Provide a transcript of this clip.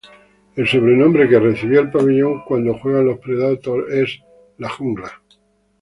El sobrenombre que recibía el pabellón cuando juegan los Predators es "The Jungle".